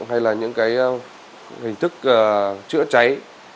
hay là những hình thức chữa cháy